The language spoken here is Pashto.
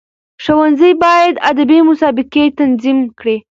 ښوونځي باید ادبي مسابقي تنظیم کړي.